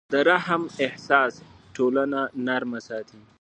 د رحم احساس ټولنه نرمه ساتي.